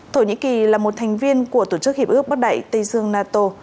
thổ nhĩ kỳ là một thành viên của tổ chức hiệp ước bắc đại tây dương nato